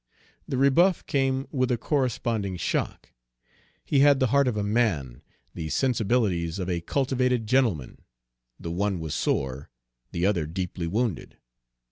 The rebuff came with a corresponding shock. He had the heart of a man, the sensibilities of a cultivated gentleman; the one was sore, the other deeply wounded.